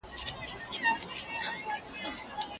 که څوک غواړي پوه سي نو کتاب دې ولولي.